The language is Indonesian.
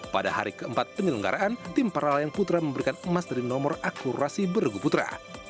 pada hari keempat penyelenggaraan tim para layang putra memberikan emas dari nomor akurasi beregu putra